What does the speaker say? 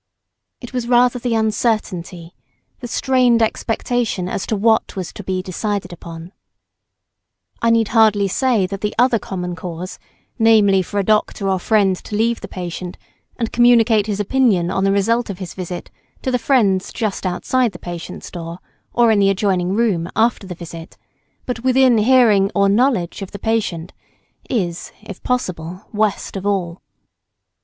It was rather the uncertainty, the strained expectation as to what was to be decided upon. [Sidenote: Or just outside the door.] I need hardly say that the other common cause, namely, for a doctor or friend to leave the patient and communicate his opinion on the result of his visit to the friends just outside the patient's door, or in the adjoining room, after the visit, but within hearing or knowledge of the patient is, if possible, worst of all. [Sidenote: Noise of female dress.